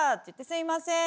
すいません。